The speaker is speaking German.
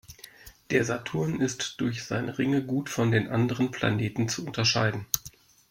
Der Saturn ist durch seine Ringe gut von den anderen Planeten zu unterscheiden.